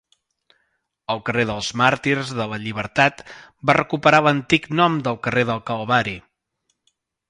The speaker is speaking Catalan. El carrer dels Màrtirs de la Llibertat va recuperar l'antic nom de carrer del Calvari.